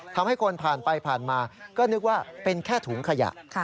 ทำให้คนผ่านไปผ่านมาก็นึกว่าเป็นแค่ถุงขยะ